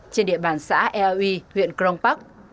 trên địa bàn xã eoe huyện công park